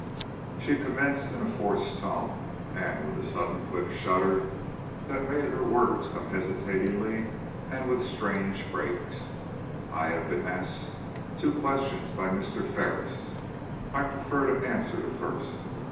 She commenced in a forced tone and with a sudden quick shudder that made her words come hesitatingly and with strange breaks: "I have been asked two questions by Mr. Ferris I prefer to answer the first.